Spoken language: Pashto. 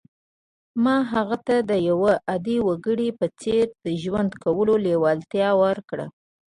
ما هغه ته د یوه عادي وګړي په څېر د ژوند کولو لېوالتیا ورکړه